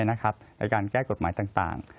ในการแก้กฎหมายต่าง